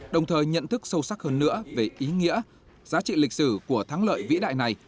đồng thời nhận thức sâu sắc hơn nữa về ý nghĩa giá trị lịch sử của thắng lợi vĩ đại này